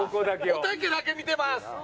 おたけだけ見てます。